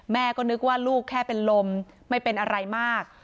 แม่ก็นึกว่าลูกแค่เป็นลมไม่เป็นอะไรมาก